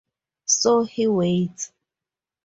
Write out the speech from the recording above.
So he waits.